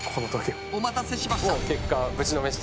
お待たせしました。